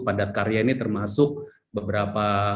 padatkarya ini termasuk beberapa